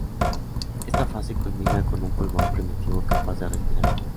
Esta fase culmina con un pulmón primitivo capaz de respirar.